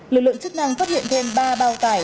lực lượng chức năng phát hiện thêm ba bao tải